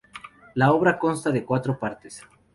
La obra consta de cuatro partes.